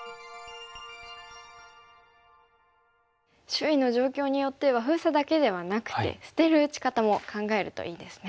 周囲の状況によっては封鎖だけではなくて捨てる打ち方も考えるといいですね。